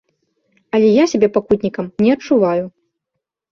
Але я сябе пакутнікам не адчуваю.